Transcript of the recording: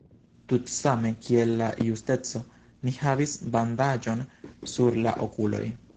Tutsame kiel la Justeco, ni havis bandaĝon sur la okuloj.